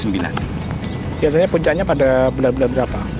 biasanya puncaknya pada bulan bulan berapa